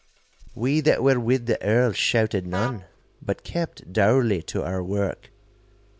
We that were with the Earl shouted none, but kept dourly to our work.